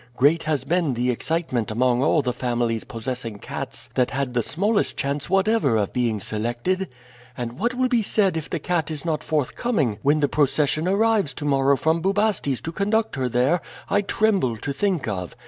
Great has been the excitement among all the families possessing cats that had the smallest chance whatever of being selected; and what will be said if the cat is not forthcoming when the procession arrives to morrow from Bubastes to conduct her there, I tremble to think of.